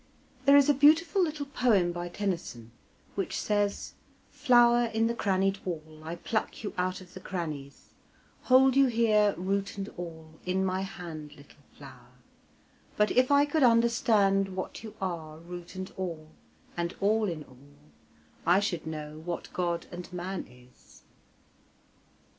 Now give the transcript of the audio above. There is a beautiful little poem by Tennyson, which says "Flower in the crannied wall, I pluck you out of the crannies; Hold you here, root and all, in my hand, Little flower; but if I could understand What you are, root and all, and all in all, I should know what God and man is."